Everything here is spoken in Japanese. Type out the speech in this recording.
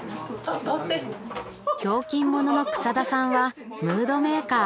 ひょうきん者の草田さんはムードメーカー。